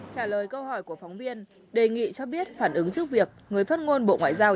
trả lời câu hỏi của phóng viên đề nghị cho biết phản ứng trước việc người phát ngôn bộ ngoại giao